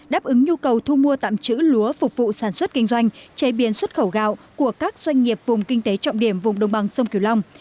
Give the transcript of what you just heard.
đáp ứng nhu cầu thu mua tạm trữ lúa phục vụ sản xuất kinh doanh chế biến xuất khẩu gạo của các doanh nghiệp vùng kinh tế trọng điểm vùng đồng bằng sông kiều long